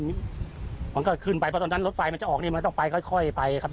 ตอนการณ์ก็ขึ้นไปเพราะตอนนั้นลดไฟจะออกนะมันต้องไปค่อยไปครับ